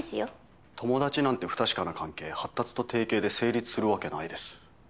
友達なんて不確かな関係発達と定型で成立するわけないです。